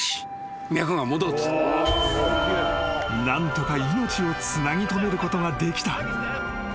［何とか命をつなぎ留めることができた］